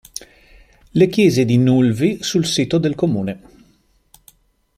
Le chiese di Nulvi sul sito del Comune